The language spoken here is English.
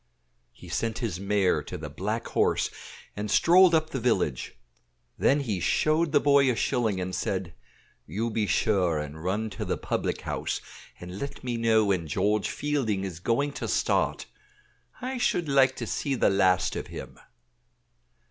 He sent his mare to the "Black Horse," and strolled up the village; then he showed the boy a shilling and said, "You be sure and run to the public house and let me know when George Fielding is going to start I should like to see the last of him."